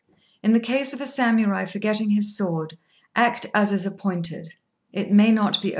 In the case of a Samurai forgetting his sword, act as is appointed: it may not be overlooked."